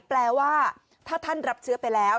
แปลว่าถ้าท่านรับเชื้อไปแล้ว